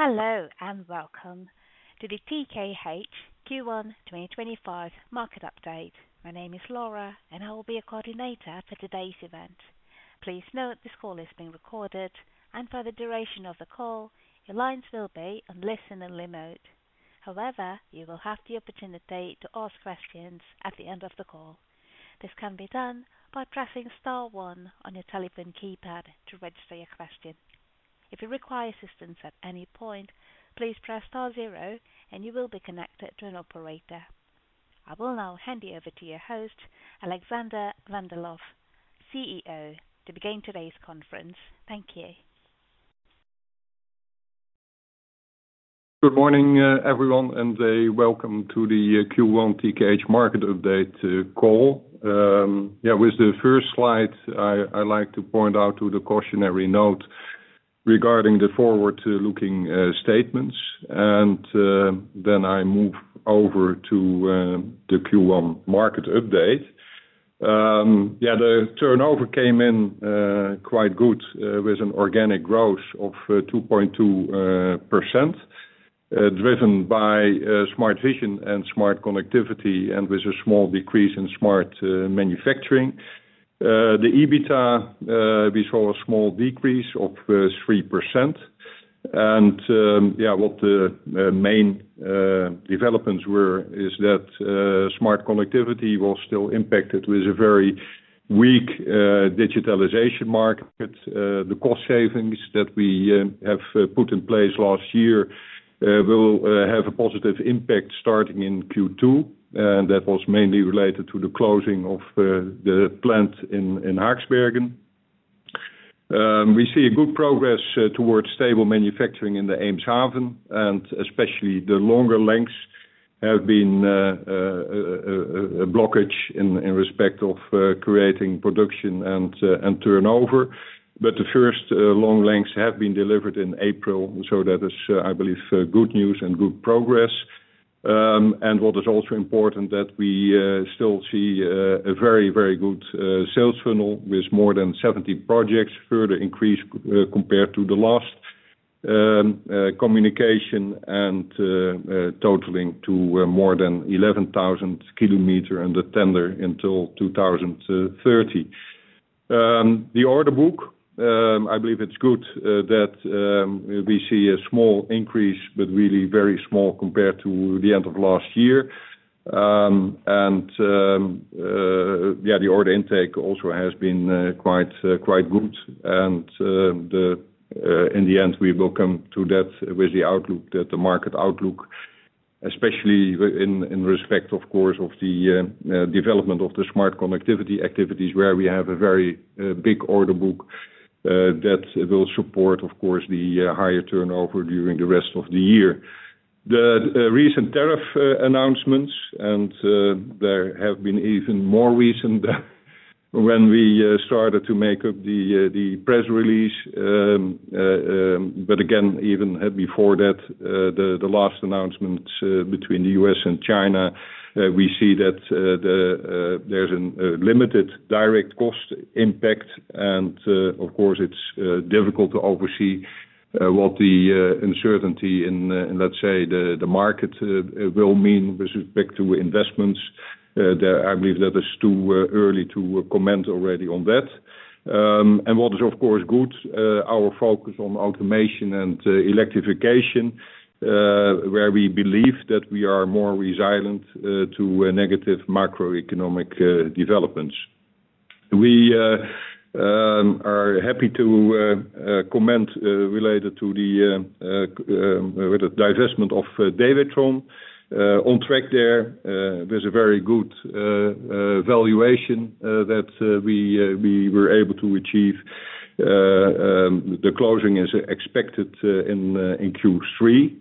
Hello and welcome to the TKH Q1 2025 market update. My name is Laura, and I will be your coordinator for today's event. Please note this call is being recorded, and for the duration of the call, your lines will be on listen-only mode. However, you will have the opportunity to ask questions at the end of the call. This can be done by pressing Star 1 on your telephone keypad to register your question. If you require assistance at any point, please press Star 0, and you will be connected to an operator. I will now hand you over to your host, Alexander van der Lof, CEO, to begin today's conference. Thank you. Good morning, everyone, and welcome to the Q1 TKH market update call. With the first slide, I'd like to point out the cautionary note regarding the forward-looking statements, and then I move over to the Q1 market update. The turnover came in quite good, with an organic growth of 2.2%, driven by smart vision and smart connectivity, and with a small decrease in smart manufacturing. The EBITDA, we saw a small decrease of 3%. What the main developments were is that smart connectivity was still impacted, with a very weak digitalization market. The cost savings that we have put in place last year will have a positive impact starting in Q2, and that was mainly related to the closing of the plant in Haaksbergen. We see good progress towards stable manufacturing in the Eemshaven, and especially the longer lengths have been a blockage in respect of creating production and turnover. The first long lengths have been delivered in April, so that is, I believe, good news and good progress. What is also important is that we still see a very good sales funnel, with more than 70 projects, further increased compared to the last communication and totaling to more than 11,000 kilometers under tender until 2030. The order book, I believe it's good that we see a small increase, but really very small compared to the end of last year. The order intake also has been quite good, and in the end, we will come to that with the outlook, the market outlook, especially in respect, of course, of the development of the smart connectivity activities, where we have a very big order book that will support, of course, the higher turnover during the rest of the year. The recent tariff announcements, and there have been even more recent when we started to make up the press release. Again, even before that, the last announcements between the US and China, we see that there's a limited direct cost impact, and of course, it's difficult to oversee what the uncertainty in, let's say, the market will mean with respect to investments. I believe that it's too early to comment already on that. What is, of course, good, our focus on automation and electrification, where we believe that we are more resilient to negative macroeconomic developments. We are happy to comment related to the divestment of DEWETRON. On track there, there's a very good valuation that we were able to achieve. The closing is expected in Q3.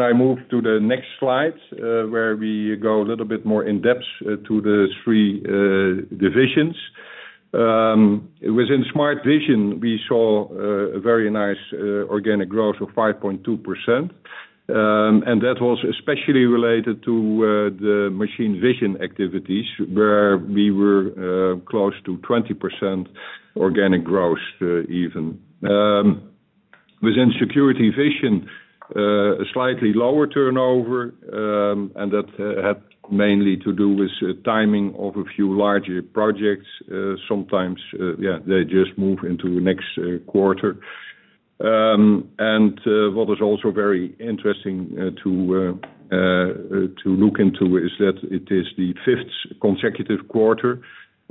I move to the next slide, where we go a little bit more in depth to the three divisions. Within smart vision, we saw a very nice organic growth of 5.2%, and that was especially related to the machine vision activities, where we were close to 20% organic growth even. Within security vision, a slightly lower turnover, and that had mainly to do with timing of a few larger projects. Sometimes they just move into the next quarter. What is also very interesting to look into is that it is the fifth consecutive quarter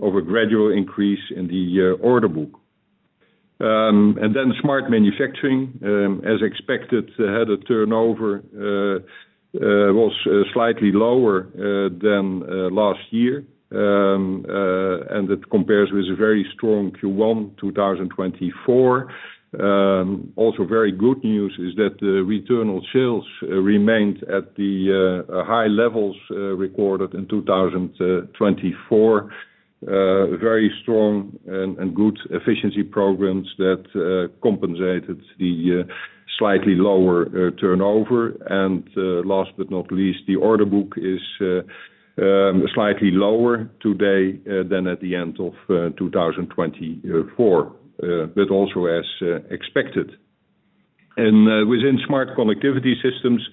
of a gradual increase in the order book. Then smart manufacturing, as expected, had a turnover, was slightly lower than last year, and it compares with a very strong Q1 2024. Also, very good news is that the return on sales remained at the high levels recorded in 2024. Very strong and good efficiency programs that compensated the slightly lower turnover. Last but not least, the order book is slightly lower today than at the end of 2024, but also as expected. Within smart connectivity systems,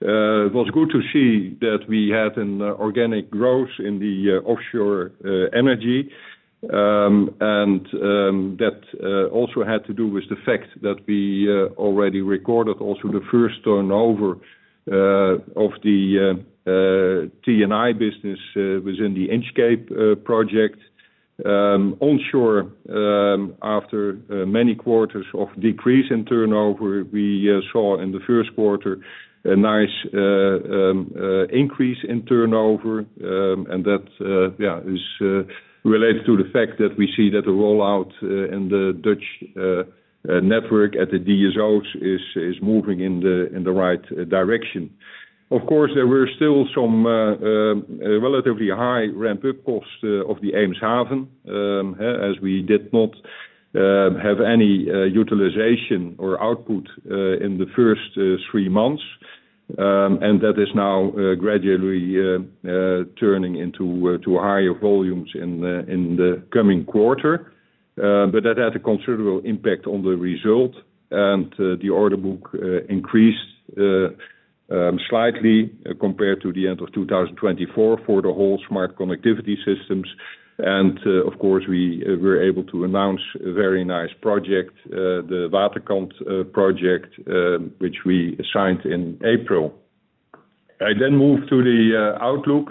it was good to see that we had an organic growth in the offshore energy, and that also had to do with the fact that we already recorded also the first turnover of the T&I business within the Inch Cape project. Onshore, after many quarters of decrease in turnover, we saw in the first quarter a nice increase in turnover, and that is related to the fact that we see that the rollout in the Dutch network at the DSOs is moving in the right direction. Of course, there were still some relatively high ramp-up costs of the Eemshaven, as we did not have any utilization or output in the first three months, and that is now gradually turning into higher volumes in the coming quarter. That had a considerable impact on the result, and the order book increased slightly compared to the end of 2024 for the whole smart connectivity systems. Of course, we were able to announce a very nice project, the Waterkant project, which we signed in April. I then moved to the outlook.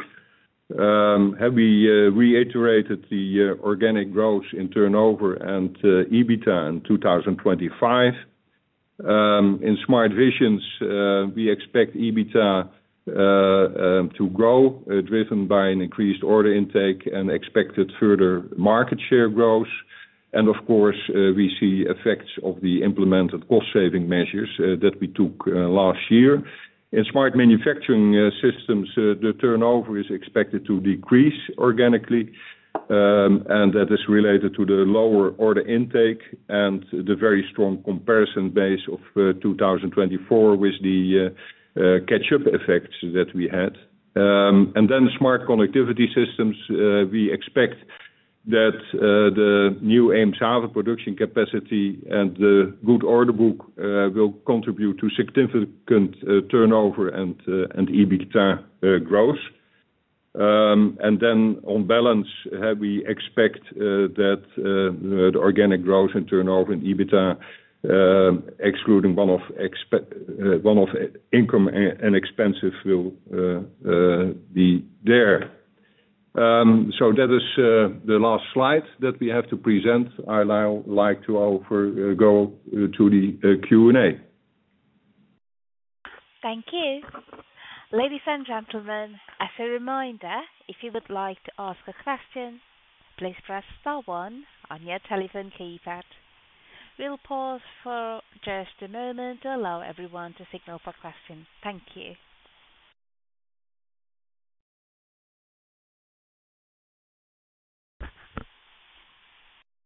We reiterated the organic growth in turnover and EBITDA in 2025. In smart vision, we expect EBITDA to grow, driven by an increased order intake and expected further market share growth. Of course, we see effects of the implemented cost-saving measures that we took last year. In smart manufacturing systems, the turnover is expected to decrease organically, and that is related to the lower order intake and the very strong comparison base of 2024 with the catch-up effects that we had. Smart connectivity systems, we expect that the new Eemshaven production capacity and the good order book will contribute to significant turnover and EBITDA growth. On balance, we expect that the organic growth and turnover in EBITDA, excluding one-off income and expenses, will be there. That is the last slide that we have to present. I'd like to go to the Q&A. Thank you. Ladies and gentlemen, as a reminder, if you would like to ask a question, please press Star 1 on your telephone keypad. We'll pause for just a moment to allow everyone to signal for questions. Thank you.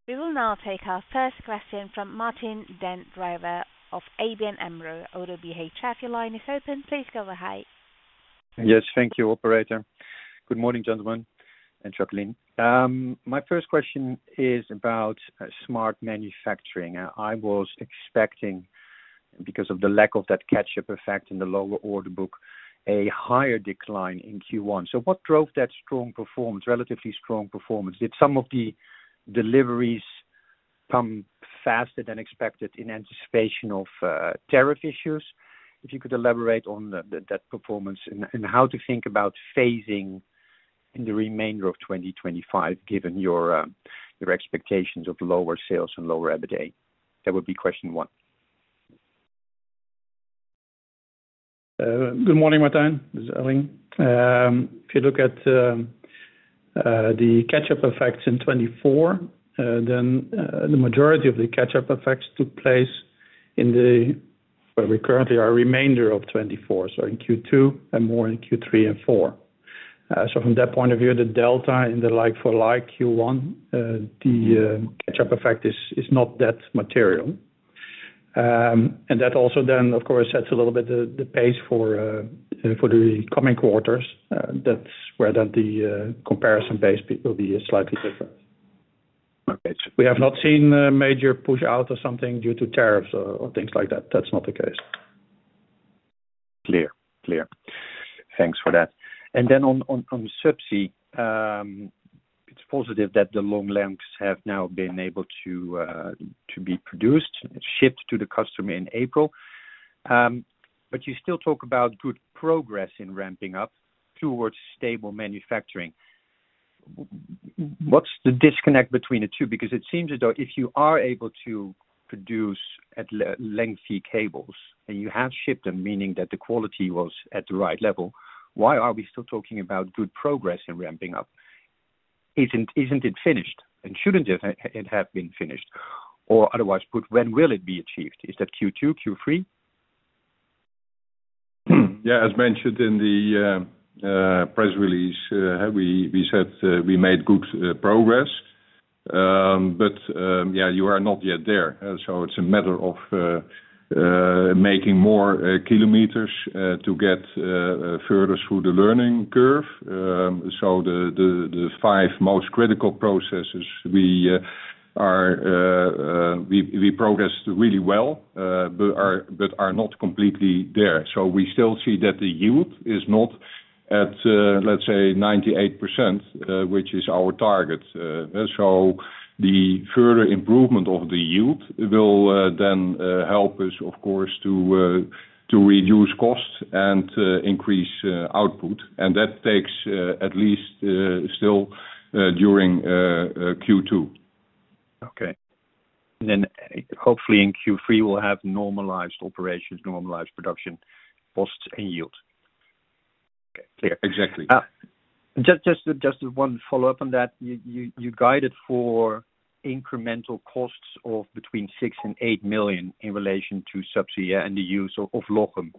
We will now take our first question from Martijn Den Drijver of ABN AMRO. OWH, if your line is open, please go ahead. Yes, thank you, Operator. Good morning, gentlemen and Jacqueline. My first question is about smart manufacturing. I was expecting, because of the lack of that catch-up effect in the lower order book, a higher decline in Q1. What drove that relatively strong performance? Did some of the deliveries come faster than expected in anticipation of tariff issues? If you could elaborate on that performance and how to think about phasing in the remainder of 2025, given your expectations of lower sales and lower EBITDA. That would be question one. Good morning, Martin. This is Elling. If you look at the catch-up effects in 2024, then the majority of the catch-up effects took place in the, where we currently are, remainder of 2024, so in Q2 and more in Q3 and Q4. From that point of view, the delta in the like-for-like Q1, the catch-up effect is not that material. That also then, of course, sets a little bit the pace for the coming quarters. That is where the comparison base will be slightly different. We have not seen a major push out of something due to tariffs or things like that. That is not the case. Clear. Thanks for that. On subsea, it's positive that the long lengths have now been able to be produced, shipped to the customer in April. You still talk about good progress in ramping up towards stable manufacturing. What's the disconnect between the two? It seems as though if you are able to produce lengthy cables and you have shipped them, meaning that the quality was at the right level, why are we still talking about good progress in ramping up? Isn't it finished? Shouldn't it have been finished? Otherwise put, when will it be achieved? Is that Q2, Q3? Yeah. As mentioned in the press release, we said we made good progress, but you are not yet there. It's a matter of making more kilometers to get further through the learning curve. The five most critical processes we progressed really well, but are not completely there. We still see that the yield is not at, let's say, 98%, which is our target. The further improvement of the yield will then help us, of course, to reduce costs and increase output. That takes at least still during Q2. Okay. Then hopefully in Q3, we'll have normalized operations, normalized production costs, and yield. Exactly. Just one follow-up on that. You guided for incremental costs of between 6 million and 8 million in relation to subsea and the use of Lochem.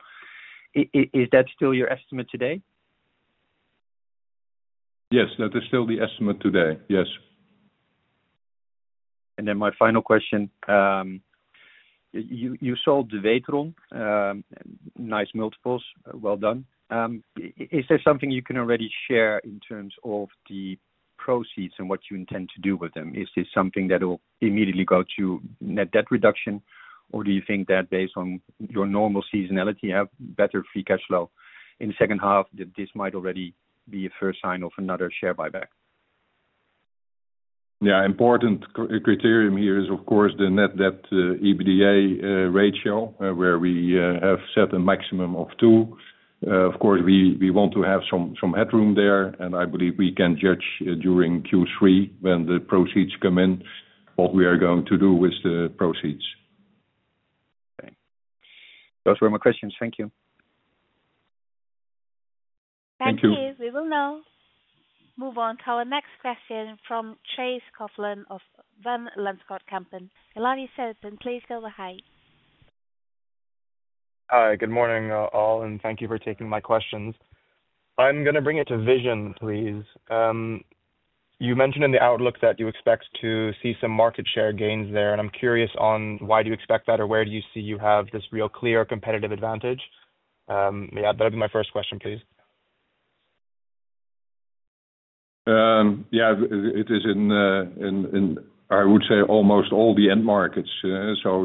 Is that still your estimate today? Yes, that is still the estimate today. Yes. My final question. You sold DEWETRON, nice multiples. Well done. Is there something you can already share in terms of the proceeds and what you intend to do with them? Is this something that will immediately go to net debt reduction, or do you think that based on your normal seasonality have better free cash flow in the second half, that this might already be a first sign of another share buyback? Yeah. Important criterium here is, of course, the net debt EBITDA ratio, where we have set a maximum of 2. Of course, we want to have some headroom there, and I believe we can judge during Q3 when the proceeds come in what we are going to do with the proceeds. Those were my questions. Thank you. Thank you. We will now move on to our next question from Chase Coughlan of Van Lanschot Kempen. Larry Serton, please go ahead. Hi, good morning, all, and thank you for taking my questions. I'm going to bring it to vision, please. You mentioned in the outlook that you expect to see some market share gains there, and I'm curious on why do you expect that, or where do you see you have this real clear competitive advantage? That would be my first question, please. Yeah. It is in, I would say, almost all the end markets.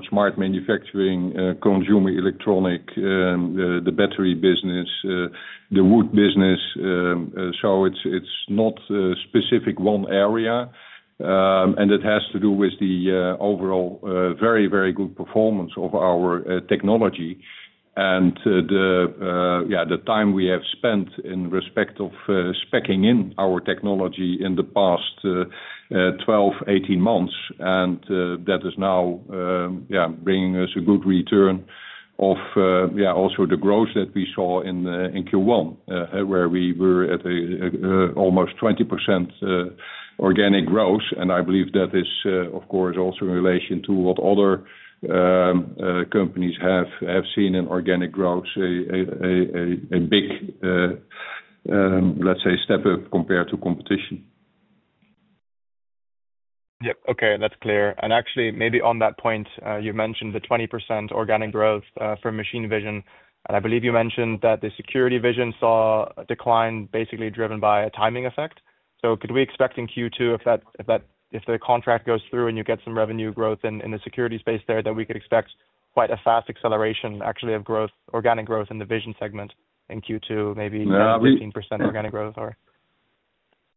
Smart manufacturing, consumer electronic, the battery business, the wood business. It's not a specific one area, and it has to do with the overall very, very good performance of our technology and the time we have spent in respect of speccing in our technology in the past 12, 18 months. That is now bringing us a good return of also the growth that we saw in Q1, where we were at almost 20% organic growth. I believe that is, of course, also in relation to what other companies have seen in organic growth, a big, let's say, step up compared to competition. Yep. Okay. That's clear. Actually, maybe on that point, you mentioned the 20% organic growth for machine vision, and I believe you mentioned that the security vision saw a decline basically driven by a timing effect. Could we expect in Q2, if the contract goes through and you get some revenue growth in the security space there, that we could expect quite a fast acceleration of organic growth in the vision segment in Q2, maybe 15% organic growth?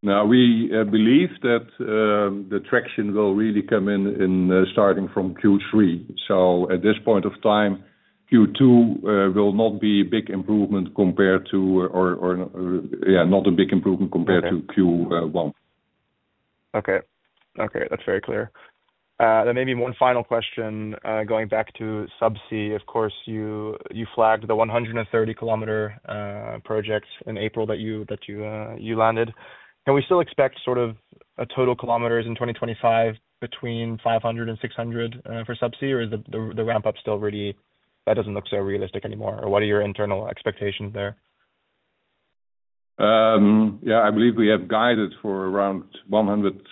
No. We believe that the traction will really come in starting from Q3. At this point of time, Q2 will not be a big improvement compared to, or not a big improvement compared to Q1. Okay. That's very clear. Maybe one final question going back to subsea. Of course, you flagged the 130 km project in April that you landed. Can we still expect a total kilometers in 2025 between 500 and 600 for subsea, or is the ramp-up still really that does not look so realistic anymore? What are your internal expectations there? Yeah. I believe we have guided for around 180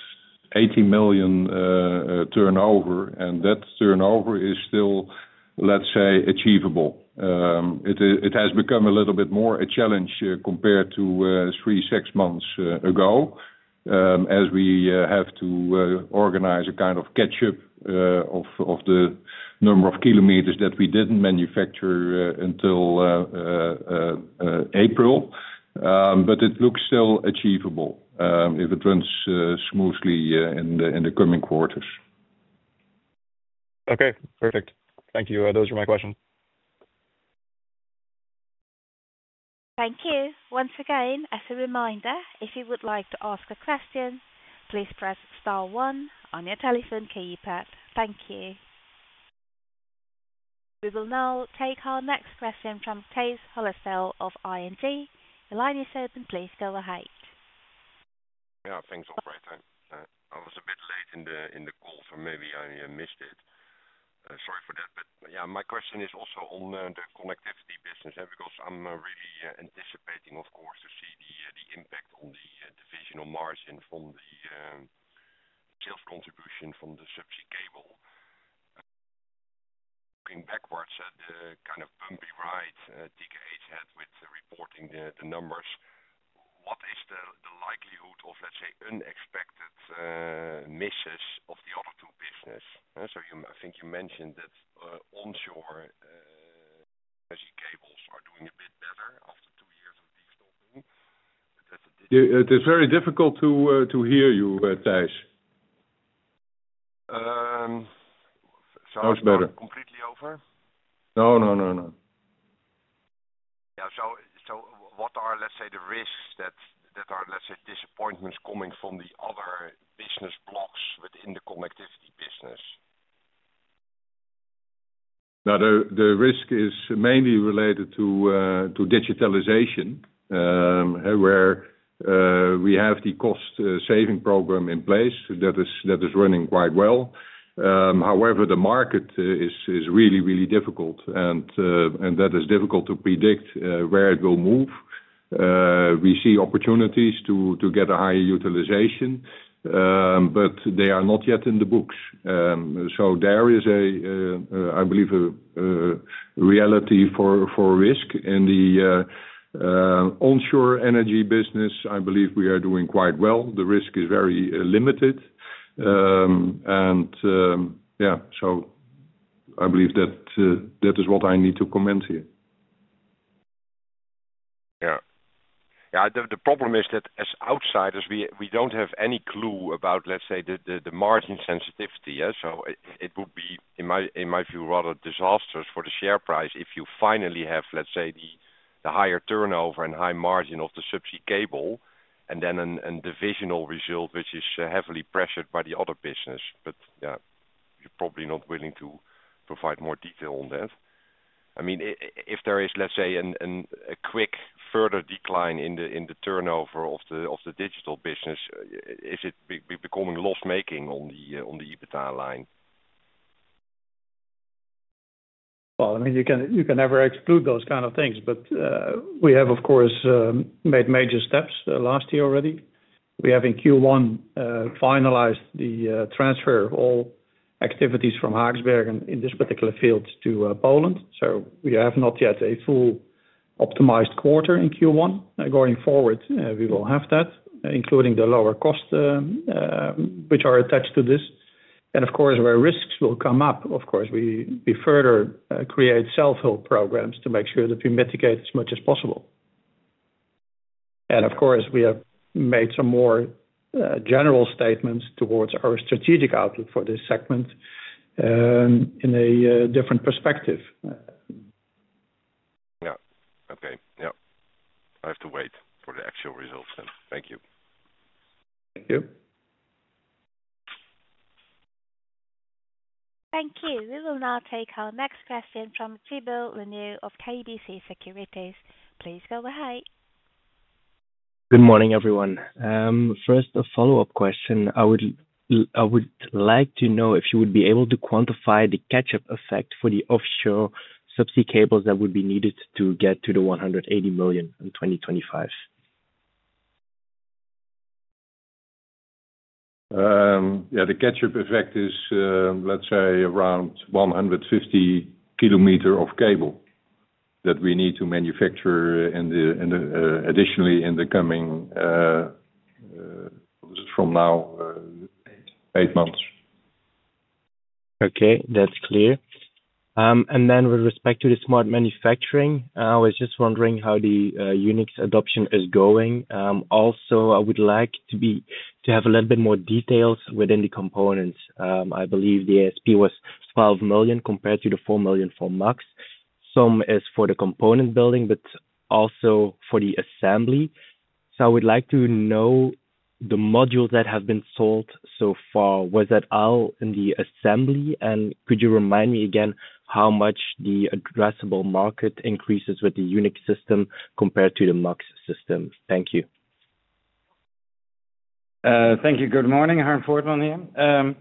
million turnover, and that turnover is still, let's say, achievable. It has become a little bit more a challenge compared to three-six months ago, as we have to organize a kind of catch-up of the number of kilometers that we didn't manufacture until April. It looks still achievable if it runs smoothly in the coming quarters. Okay. Perfect. Thank you. Those were my questions. Thank you. Once again, as a reminder, if you would like to ask a question, please press Star 1 on your telephone keypad. Thank you. We will now take our next question from Tais Holst of ING. The line is open. Please go ahead. Yeah. Thanks, Operator. I was a bit late in the call, so maybe I missed it. Sorry for that. My question is also on the connectivity business, because I'm really anticipating, of course, to see the impact on the divisional margin from the sales contribution from the subsea cable. Looking backwards at the kind of bumpy ride TKH had with reporting the numbers, what is the likelihood of, let's say, unexpected misses of the other two businesses? I think you mentioned that onshore energy cables are doing a bit better after two years of de-stocking. It is very difficult to hear you, Chase. Sounds better. Are you completely over? No, no, no. Yeah. So what are, let's say, the risks that are, let's say, disappointments coming from the other business blocks within the connectivity business? The risk is mainly related to digitalization, where we have the cost-saving program in place that is running quite well. However, the market is really, really difficult, and that is difficult to predict where it will move. We see opportunities to get a higher utilization, but they are not yet in the books. There is, I believe, a reality for risk. In the onshore energy business, I believe we are doing quite well. The risk is very limited. Yeah. I believe that is what I need to comment here. Yeah. The problem is that as outsiders, we do not have any clue about, let's say, the margin sensitivity. It would be, in my view, rather disastrous for the share price if you finally have, let's say, the higher turnover and high margin of the subsea cable, and then a divisional result which is heavily pressured by the other business. You are probably not willing to provide more detail on that. If there is, let's say, a quick further decline in the turnover of the digital business, is it becoming loss-making on the EBITDA line? I mean, you can never exclude those kinds of things, but we have, of course, made major steps last year already. We have, in Q1, finalized the transfer of all activities from Haaksbergen and, in this particular field, to Poland. We have not yet a fully optimized quarter in Q1. Going forward, we will have that, including the lower costs which are attached to this. Of course, where risks will come up, of course, we further create self-help programs to make sure that we mitigate as much as possible. Of course, we have made some more general statements towards our strategic outlook for this segment in a different perspective. Yeah. Okay. Yeah. I have to wait for the actual results then. Thank you. Thank you. Thank you. We will now take our next question from Thibault Leneeuw of KBC Securities. Please go ahead. Good morning, everyone. First, a follow-up question. I would like to know if you would be able to quantify the catch-up effect for the offshore subsea cables that would be needed to get to the $180 million in 2025. Yeah. The catch-up effect is, let's say, around 150 km of cable that we need to manufacture, additionally, in the coming from now, eight months. Okay. That's clear. With respect to the smart manufacturing, I was just wondering how the Unix adoption is going. Also, I would like to have a little bit more details within the components. I believe the ASP was 12 million compared to the 4 million for MUX. Some is for the component building, but also for the assembly. I would like to know the modules that have been sold so far. Was that all in the assembly? Could you remind me again how much the addressable market increases with the Unix system compared to the MUX system? Thank you. Thank you. Good morning, Harm Voortman here.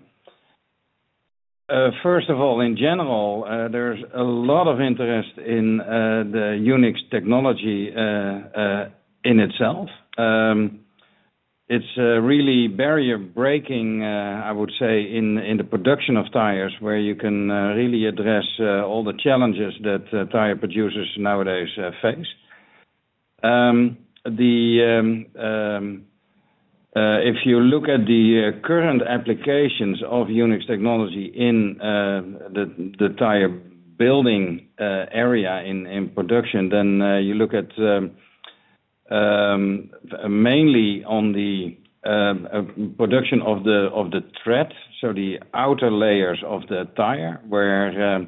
First of all, in general, there's a lot of interest in the Unix technology in itself. It's really barrier-breaking, I would say, in the production of tires, where you can really address all the challenges that tire producers nowadays face. If you look at the current applications of Unix technology in the tire building area in production, then you look at mainly on the production of the tread, the outer layers of the tire, where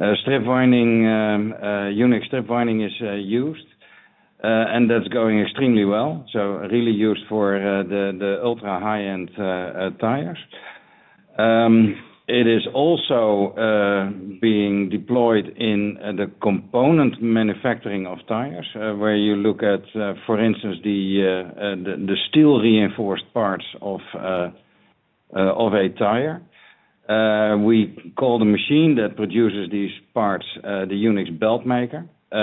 Unix strip winding is used, and that's going extremely well. Really used for the ultra-high-end tires. It is also being deployed in the component manufacturing of tires, where you look at, for instance, the steel-reinforced parts of a tire. We call the machine that produces these parts the Unix Belt Maker. We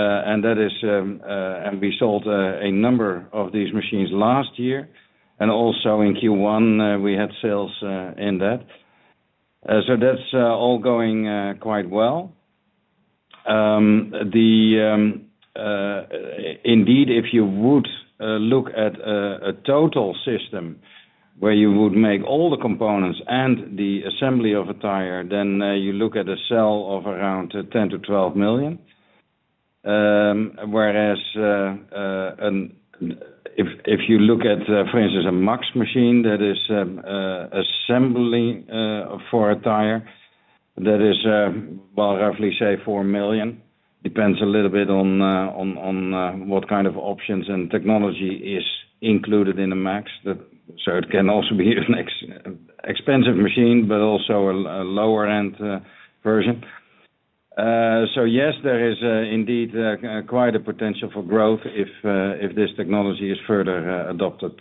sold a number of these machines last year, and also in Q1, we had sales in that. That's all going quite well. Indeed, if you would look at a total system where you would make all the components and the assembly of a tire, then you look at a sale of around 10 million-12 million. Whereas, if you look at, for instance, a MUX machine that is assembling for a tire, that is roughly, say, 4 million. It depends a little bit on what kind of options and technology is included in the MUX. It can also be an expensive machine, but also a lower-end version. Yes, there is indeed quite a potential for growth if this technology is further adopted.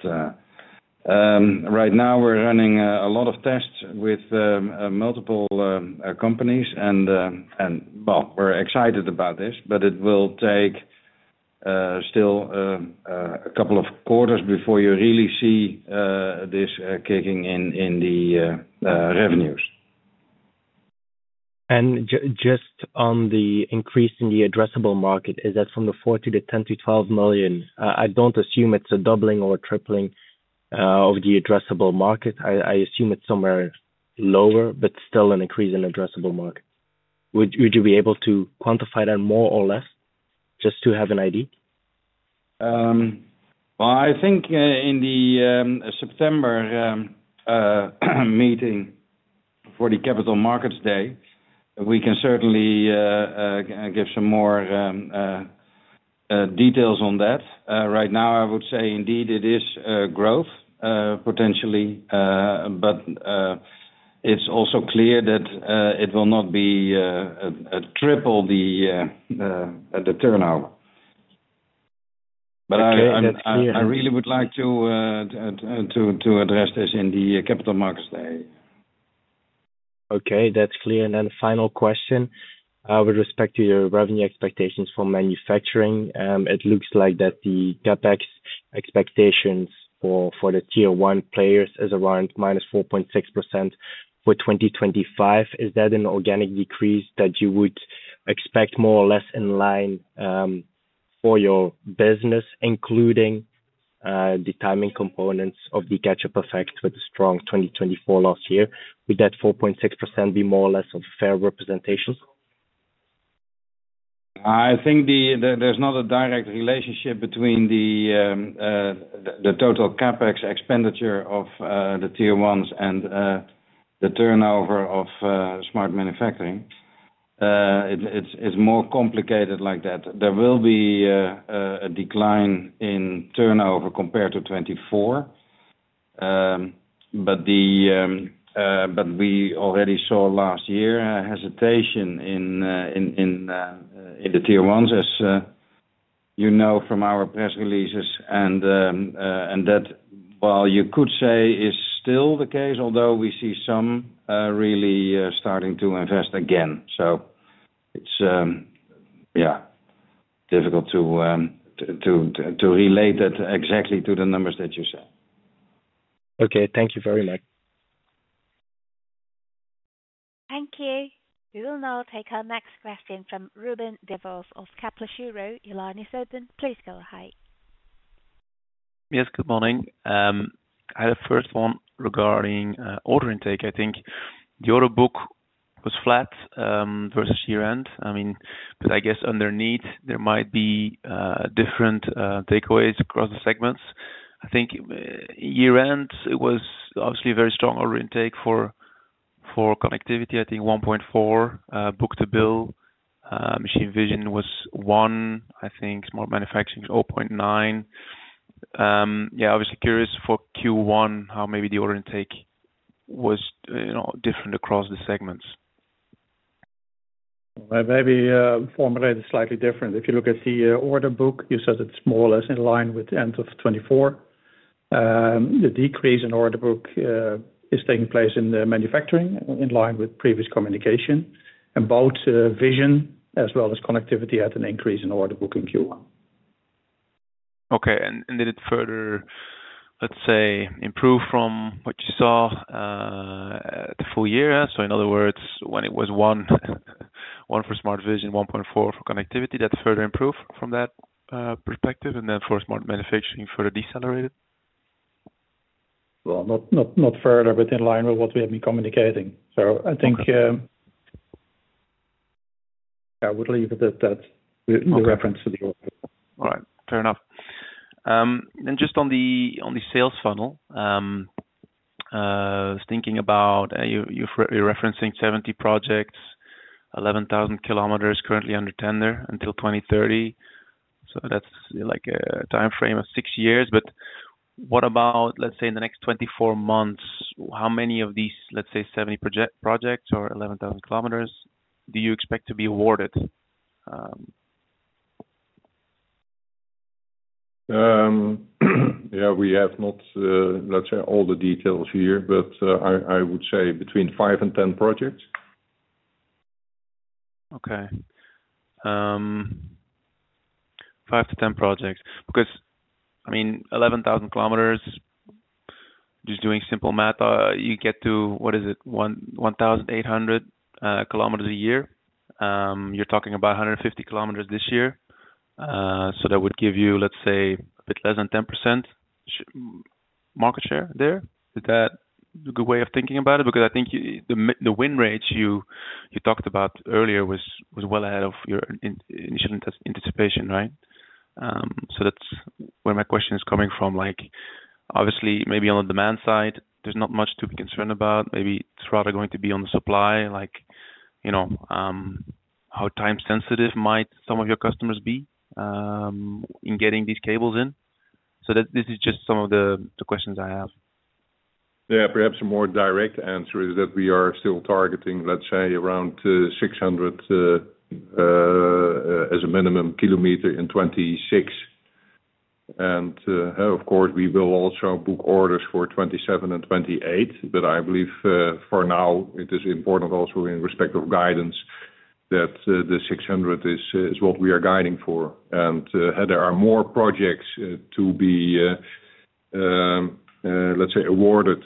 Just on the increase in the addressable market, is that from the 4 to the 10-12 million? I do not assume it is a doubling or tripling of the addressable market. I assume it is somewhere lower, but still an increase in the addressable market. Would you be able to quantify that more or less, just to have an idea? I think in the September meeting for the Capital Markets Day, we can certainly give some more details on that. Right now, I would say, indeed, it is growth potentially, but it's also clear that it will not be triple the turnover. I really would like to address this in the Capital Markets Day. Okay. That's clear. Then final question with respect to your revenue expectations for manufacturing. It looks like that the CapEx expectations for the tier-one players is around -4.6% for 2025. Is that an organic decrease that you would expect more or less in line for your business, including the timing components of the catch-up effect with the strong 2024 last year? Would that 4.6% be more or less of a fair representation? I think there's not a direct relationship between the total CapEx expenditure of the tier-ones and the turnover of smart manufacturing. It's more complicated like that. There will be a decline in turnover compared to 2024, but we already saw last year hesitation in the tier-ones, as you know from our press releases. That, while you could say, is still the case, although we see some really starting to invest again. It's difficult to relate that exactly to the numbers that you said. Okay. Thank you very much. Thank you. We will now take our next question from Ruben Devos of Kepler Cheuvreux. Your line is open. Please go ahead. Yes. Good morning. I have a first one regarding order intake. I think the order book was flat versus year-end. I guess underneath, there might be different takeaways across the segments. I think year-end, it was obviously a very strong order intake for connectivity. I think 1.4 book-to-bill, machine vision was one, I think smart manufacturing was 0.9. Yeah. Obviously, curious for Q1 how maybe the order intake was different across the segments. Maybe formulated slightly different. If you look at the order book, you said it's more or less in line with the end of 2024. The decrease in order book is taking place in manufacturing in line with previous communication. About vision, as well as connectivity, had an increase in order book in Q1. Okay. Did it further, let's say, improve from what you saw the full year? In other words, when it was 1 for smart vision, 1.4 for connectivity, did that further improve from that perspective? For smart manufacturing, did it further decelerate? Not further, but in line with what we have been communicating. I think I would leave it at that, the reference to the order book. All right. Fair enough. Just on the sales funnel, I was thinking about your referencing 70 projects, 11,000 km currently under tender until 2030. That is a timeframe of six years. What about, let's say, in the next 24 months, how many of these, let's say, 70 projects or 11,000 km do you expect to be awarded? Yeah. We have not, let's say, all the details here, but I would say between five and ten projects. Okay. Five to ten projects. Because 11,000 kilometers, just doing simple math, you get to, what is it, 1,800 kilometers a year. You're talking about 150 kilometers this year. That would give you, let's say, a bit less than 10% market share there. Is that a good way of thinking about it? Because I think the win rates you talked about earlier was well ahead of your initial anticipation. That's where my question is coming from. Obviously, maybe on the demand side, there's not much to be concerned about. Maybe it's rather going to be on the supply, like how time-sensitive might some of your customers be in getting these cables in. This is just some of the questions I have. Yeah. Perhaps a more direct answer is that we are still targeting, let's say, around 600 as a minimum kilometer in 2026. Of course, we will also book orders for 2027 and 2028, but I believe for now, it is important also in respect of guidance that the 600 is what we are guiding for. There are more projects to be, let's say, awarded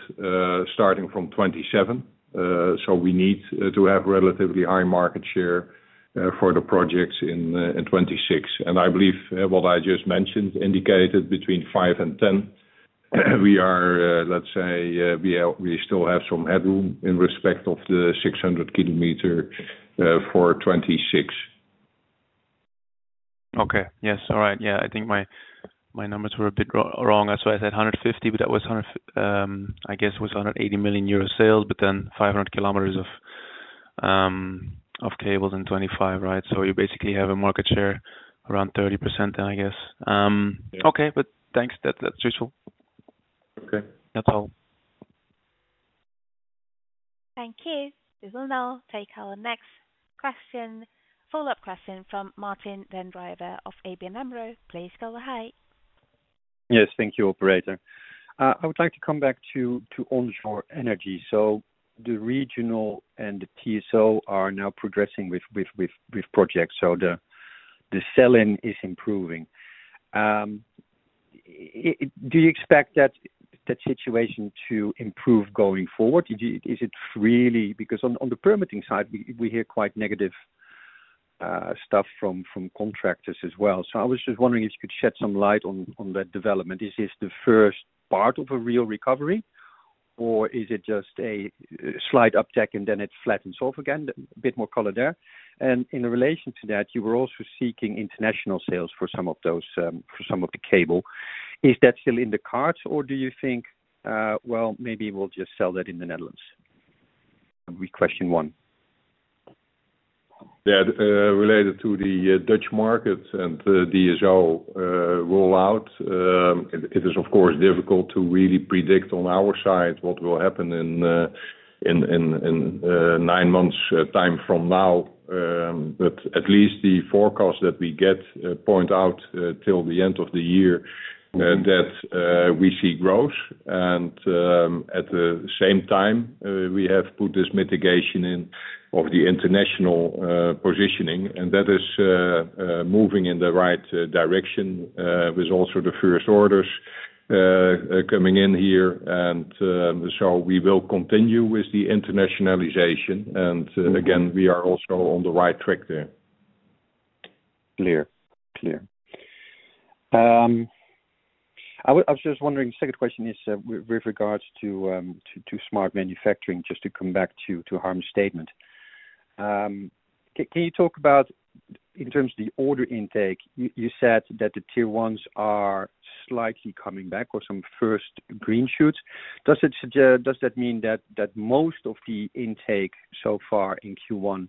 starting from 2027, so we need to have relatively high market share for the projects in 2026. I believe what I just mentioned indicated between 5 and 10. We are, let's say, we still have some headroom in respect of the 600 kilometer for 2026. Okay. Yes. All right. Yeah. I think my numbers were a bit wrong. So I said 150, but that was, I guess, it was 180 million euro sales, but then 500 km of cables in 2025. You basically have a market share around 30% then, I guess. Okay. Thanks. That's useful. That's all. Thank you. We will now take our next follow-up question from Martijn Den Drijver of ABN AMRO. Please go ahead. Yes. Thank you, Operator. I would like to come back to Onshore Energy. The regional and the TSO are now progressing with projects, so the selling is improving. Do you expect that situation to improve going forward? Because on the permitting side, we hear quite negative stuff from contractors as well. I was just wondering if you could shed some light on that development. Is this the first part of a real recovery, or is it just a slight uptick and then it flattens off again? A bit more color there. In relation to that, you were also seeking international sales for some of the cable. Is that still in the cards, or do you think, well, maybe we'll just sell that in the Netherlands? Question one. Yeah. Related to the Dutch markets and the DSO rollout, it is, of course, difficult to really predict on our side what will happen in nine months' time from now. At least the forecast that we get points out till the end of the year that we see growth. At the same time, we have put this mitigation in of the international positioning, and that is moving in the right direction with also the first orders coming in here. We will continue with the internationalization. Again, we are also on the right track there. Clear. I was just wondering, the second question is with regards to smart manufacturing, just to come back to Harm's statement. Can you talk about, in terms of the order intake, you said that the tier-ones are slightly coming back or some first green shoots. Does that mean that most of the intake so far in Q1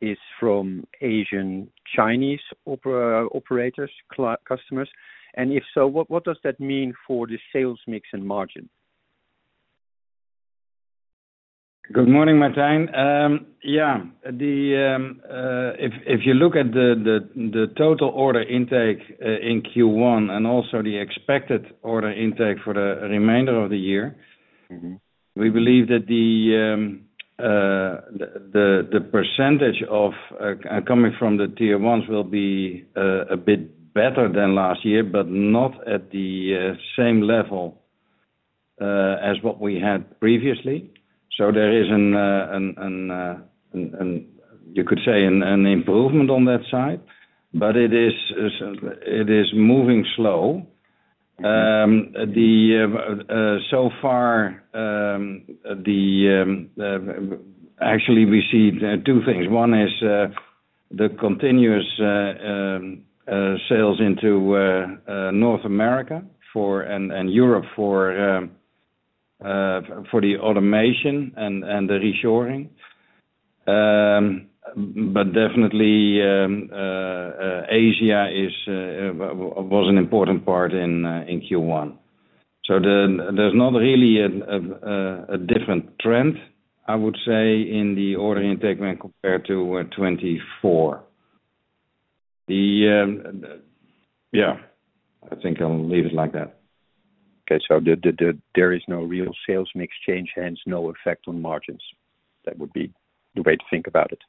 is from Asian Chinese operators, customers? If so, what does that mean for the sales mix and margin? Good morning, Martijn. Yeah. If you look at the total order intake in Q1 and also the expected order intake for the remainder of the year, we believe that the percentage coming from the tier-ones will be a bit better than last year, but not at the same level as what we had previously. There is, you could say, an improvement on that side, but it is moving slow. So far, actually, we see two things. One is the continuous sales into North America and Europe for the automation and the reshoring. Definitely, Asia was an important part in Q1. There's not really a different trend, I would say, in the order intake when compared to 2024. Yeah. I think I'll leave it like that. Okay. There is no real sales mix change, hence no effect on margins. That would be the way to think about it.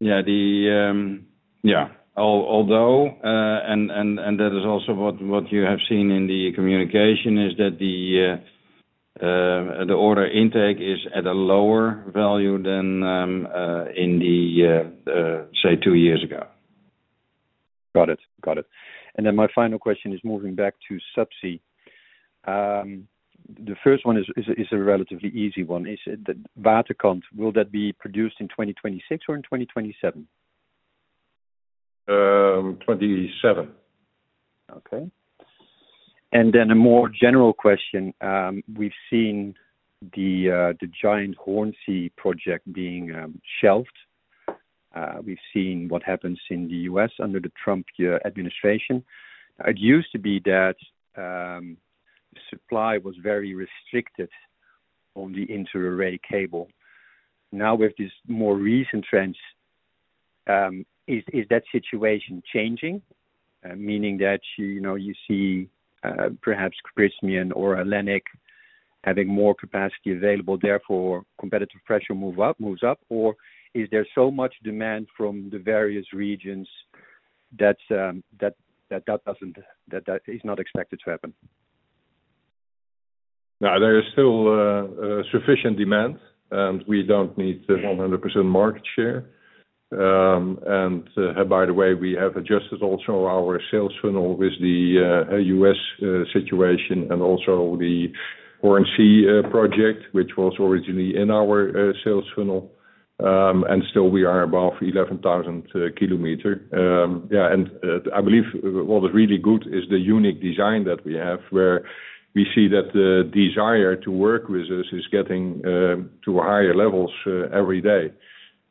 Yeah. Although, and that is also what you have seen in the communication, is that the order intake is at a lower value than in the, say, two years ago. Got it. Got it. Then my final question is moving back to subsea. The first one is a relatively easy one. Is it the Waterkant? Will that be produced in 2026 or in 2027? '27. Okay. Then a more general question. We've seen the giant Hornsea project being shelved. We've seen what happens in the U.S. under the Trump administration. It used to be that supply was very restricted on the interarray cable. Now, with these more recent trends, is that situation changing, meaning that you see perhaps Prysmian or Nexans having more capacity available, therefore competitive pressure moves up? Or is there so much demand from the various regions that that is not expected to happen? There is still sufficient demand, and we do not need 100% market share. By the way, we have adjusted also our sales funnel with the US situation and also the Hornsea project, which was originally in our sales funnel. Still, we are above 11,000 kilometers. Yeah. I believe what is really good is the unique design that we have, where we see that the desire to work with us is getting to higher levels every day.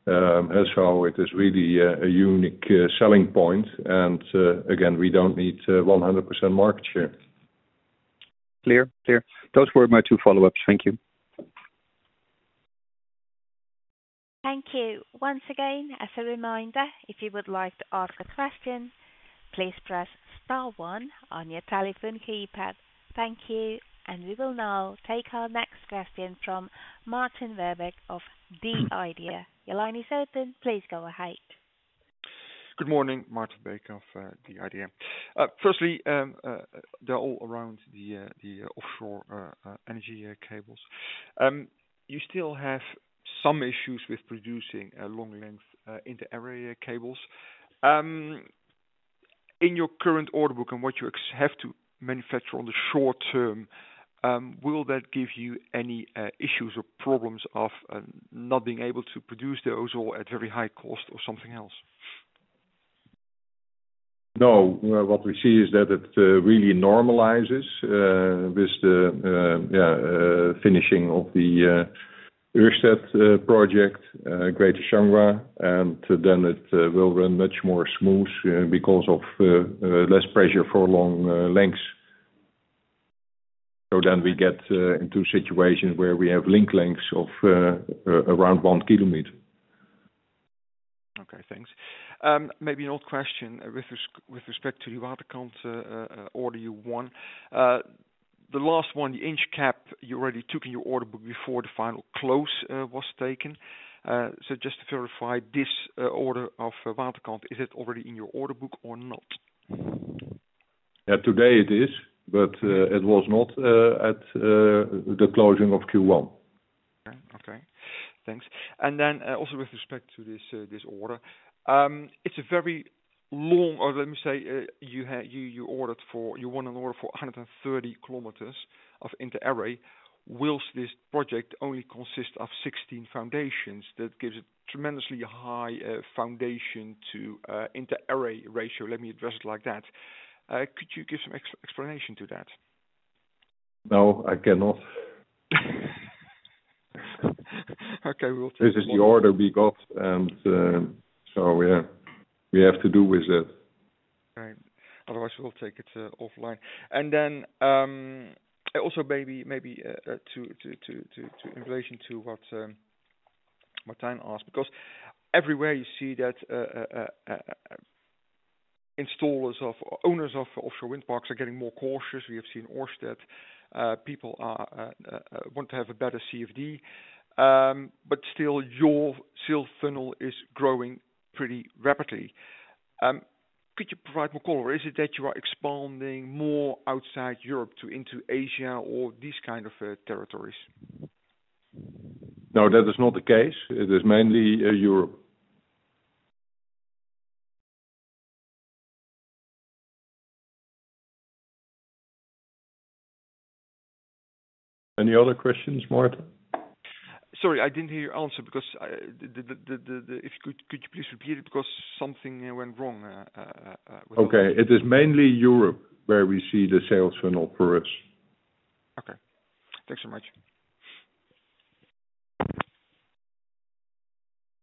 It is really a unique selling point. Again, we do not need 100% market share. Clear. Clear. Those were my two follow-ups. Thank you. Thank you. Once again, as a reminder, if you would like to ask a question, please press star one on your telephone keypad. Thank you. We will now take our next question from Maarten Verbeek of The Idea. Your line is open. Please go ahead. uestion from Maarten Verbeek of The Idea. Your line is open. Please go ahead. Good morning. Maarten Verbeek of The Idea. Firstly, they're all around the offshore energy cables. You still have some issues with producing long-length interarray cables. In your current order book and what you have to manufacture on the short term, will that give you any issues or problems of not being able to produce those or at very high cost or something else? No. What we see is that it really normalizes with the finishing of the Ørsted project, Greater Changhua, and it will run much more smoothly because of less pressure for long lengths. We get into a situation where we have link lengths of around 1 kilometer. Okay. Thanks. Maybe an old question with respect to the Waterkant or the Q1. The last one, the Inch Cape, you already took in your order book before the final close was taken. Just to verify, this order of Waterkant, is it already in your order book or not? Today it is, but it was not at the closing of Q1. Okay. Thanks. Then also with respect to this order, it's a very long, or let me say, you want an order for 130 km of interarray. Will this project only consist of 16 foundations? That gives a tremendously high foundation to interarray ratio. Let me address it like that. Could you give some explanation to that? No. I cannot. Okay. We will take it. This is the order we got, and we have to do with it. Right. Otherwise, we'll take it offline. Also, maybe in relation to what Martijn asked, because everywhere you see that installers or owners of offshore wind parks are getting more cautious. We have seen Ørsted. People want to have a better CFD. Still, your sales funnel is growing pretty rapidly. Could you provide more color? Is it that you are expanding more outside Europe into Asia or these kinds of territories? No. That is not the case. It is mainly Europe. Any other questions, Maarten? Sorry. I didn't hear your answer because, if you could, could you please repeat it because something went wrong? Okay. It is mainly Europe where we see the sales funnel for us. Okay. Thanks so much.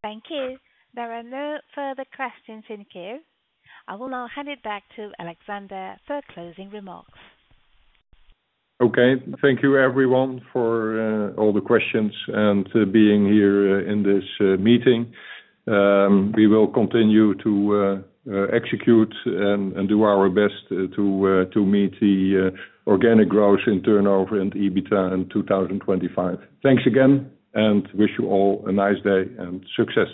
Thank you. There are no further questions in queue. I will now hand it back to Alexander for closing remarks. Okay. Thank you, everyone, for all the questions and being here in this meeting. We will continue to execute and do our best to meet the organic growth in turnover and EBITDA in 2025. Thanks again, and wish you all a nice day and success.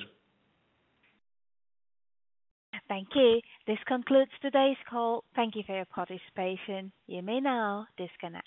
Thank you. This concludes today's call. Thank you for your participation. You may now disconnect.